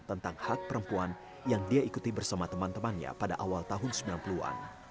tentang hak perempuan yang dia ikuti bersama teman temannya pada awal tahun sembilan puluh an